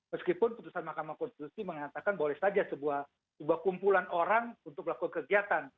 meskipun putusan mahkamah konstitusi mengatakan boleh saja sebuah kumpulan orang untuk melakukan kegiatan